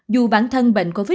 dù bản thân bệnh covid